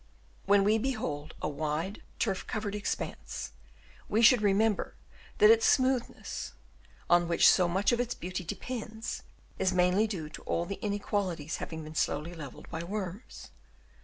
When we behold a wide, turf covered expanse, we should remember that its smooth ness, on which so much of its beauty depends, is mainly due to all the inequalities having been slowly levelled by worms.